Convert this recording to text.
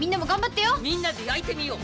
みんなで焼いてみよう！